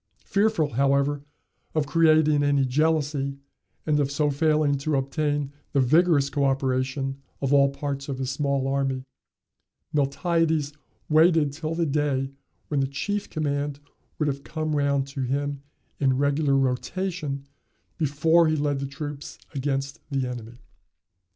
Fearful, however, of creating any jealousy, and of so failing to obtain the vigorous coöperation of all parts of his small army, Miltiades waited till the day when the chief command would have come round to him in regular rotation before he led the troops against the enemy.